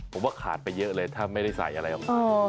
ผมว่าขาดไปเยอะเลยถ้าไม่ได้ใส่อะไรออกมา